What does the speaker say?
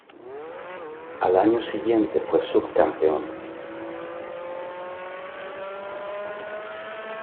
Al año siguiente fue subcampeón.